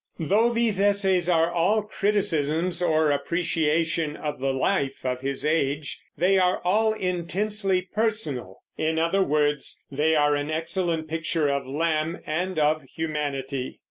Though these essays are all criticisms or appreciations of the life of his age, they are all intensely personal. In other words, they are an excellent picture of Lamb and of humanity.